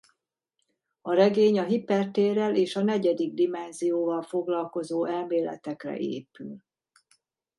A regény a hipertérrel és a negyedik dimenzióval foglalkozó elméletekre épül.